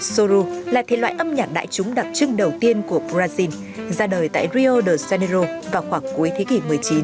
sô lô là thể loại âm nhạc đại chúng đặc trưng đầu tiên của brazil ra đời tại rio de janeiro vào khoảng cuối thế kỷ một mươi chín